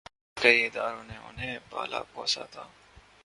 عسکری اداروں نے انہیں پالا پوسا تھا۔